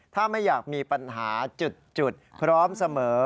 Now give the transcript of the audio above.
ถ้าไม่อยากมีปัญหาจุดพร้อมเสมอ